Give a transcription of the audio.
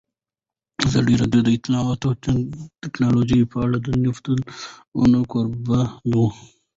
ازادي راډیو د اطلاعاتی تکنالوژي په اړه د نقدي نظرونو کوربه وه.